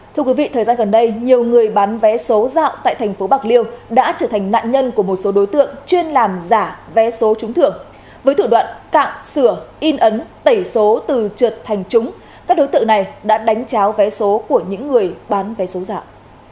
thưa quý vị thời gian gần đây nhiều người bán vé số dạo tại thành phố bạc liêu đã trở thành nạn nhân của một số đối tượng chuyên làm giả vé số trúng thưởng với thủ đoạn cạm sửa in ấn tẩy số từ trượt thành chúng các đối tượng này đã đánh cháo vé số của những người bán vé số dạo